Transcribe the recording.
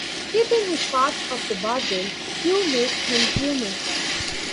Keeping his part of the bargain, Q makes him human.